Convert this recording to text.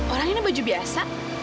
orang ini baju biasa